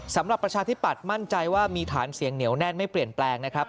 ประชาธิปัตย์มั่นใจว่ามีฐานเสียงเหนียวแน่นไม่เปลี่ยนแปลงนะครับ